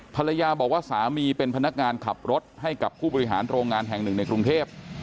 ภรรยาบอกว่าสามีเป็นพนักงานขับรถให้กับผู้บริหารโรงงานแห่งหนึ่งในกรุงเทพ